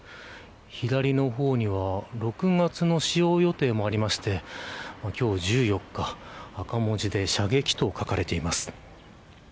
左の方には６月の使用予定もありまして今日、１４日赤文字で射撃と書かれています。